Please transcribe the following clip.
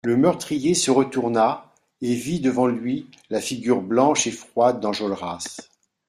Le meurtrier se retourna et vit devant lui la figure blanche et froide d'Enjolras.